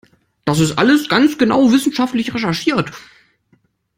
Das ist alles ganz genau wissenschaftlich recherchiert!